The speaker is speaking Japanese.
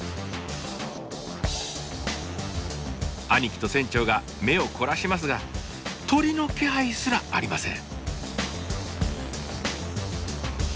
兄貴と船長が目を凝らしますが鳥の気配すらありません。